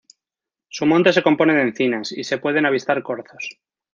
Su monte se compone de encinas y se pueden avistar corzos.